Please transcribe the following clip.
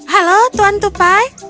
halo tuan tupai